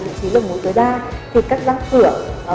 vị trí lượng mối tối đa thì các răng cửa